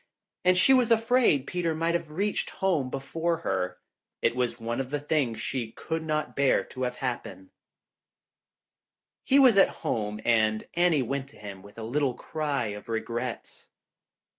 And she was afraid Peter might have reached home before her. It was one of the things she could not bear to have happen. He was at home and Anne went to him with a little cry of regret.